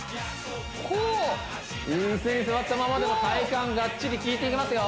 こう椅子に座ったままでも体幹がっちり効いていきますよ